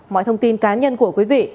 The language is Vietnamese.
mọi thông tin cá nhân của quý vị